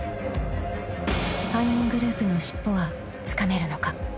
［犯人グループの尻尾はつかめるのか？］